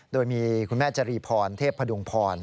โดยมีคุณแม่จรีพรเทพพดุงพร